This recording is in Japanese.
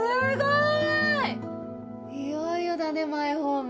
いよいよだねマイホーム。